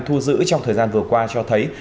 thu giữ trong thời gian vừa qua cho thấy